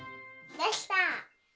できた！